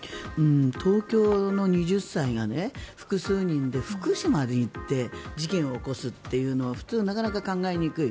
東京の２０歳が複数人で福島に行って事件を起こすというのは普通、なかなか考えにくい。